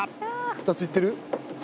２ついってる？